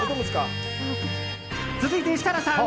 続いて、設楽さん。